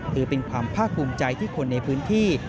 ถือเป็นความภาคภูมิใจที่คนในพื้นที่